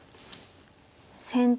先手